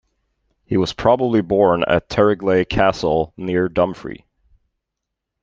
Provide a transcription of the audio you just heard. He was probably born at Terregles Castle, near Dumfries.